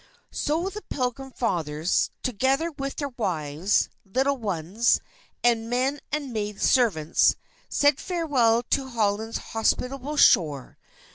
So the Pilgrim Fathers, together with their wives, little ones, and men and maid servants, said farewell to Holland's hospitable shore.